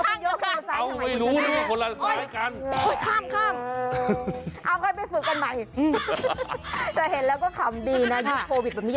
แล้วคุณซ้ายคุณกับซ้ายฉันมันข้างแล้วค่ะ